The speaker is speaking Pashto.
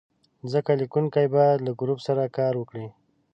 ځکه لیکونکی باید له ګروپ سره کار وکړي.